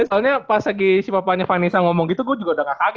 iya soalnya pas lagi si papahnya vanessa ngomong gitu gue juga udah pindah sendiri